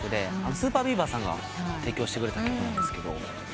ＳＵＰＥＲＢＥＡＶＥＲさんが提供してくれた曲なんですけど。